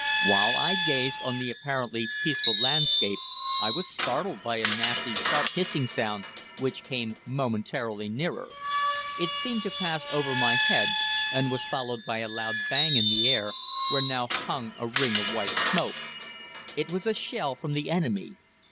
"While I gazed on the apparently peaceful landscape I was startled by a nasty, sharp hissing sound, which came momentarily nearer. It seemed to pass over my head, and was followed by a loud bang in the air, where now hung a ring of white smoke. It was a shell from the enemy.